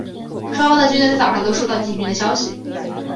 双方的军队在早上都收到进军的消息。